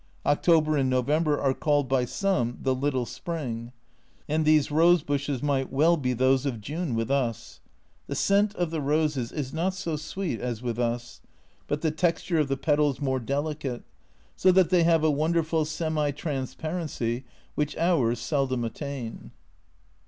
October and November are called by some "the little Spring," and these rose bushes might well be those of June with us. The scent of the roses is not so sweet as with us, but the texture of the petals more delicate, so that they have a wonderful semi transparency, which ours seldom attain.